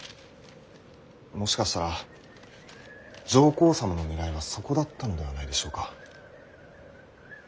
もしかしたら上皇様のねらいはそこだったのではないでしょうか。